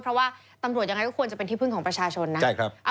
เพราะว่าตำรวจยังไงก็ควรจะเป็นที่พึ่งของประชาชนนะ